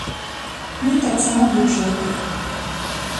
Ну і таксама бюджэты.